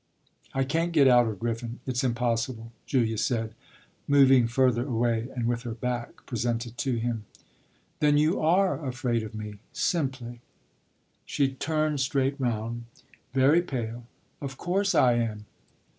"I can't get out of Griffin it's impossible," Julia said, moving further away and with her back presented to him. "Then you are afraid of me simply!" She turned straight round, very pale. "Of course I am.